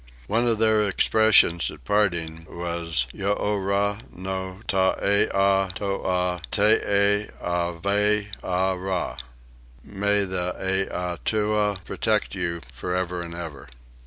One of their expressions at parting was "Yourah no t' Eatua tee eveerah." "May the Eatua protect you, for ever and ever."